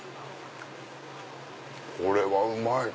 これはうまい！